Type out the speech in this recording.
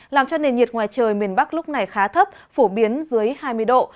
làm cho nền nhiệt ngoài trời miền bắc lúc này khá thấp phổ biến dưới hai mươi độ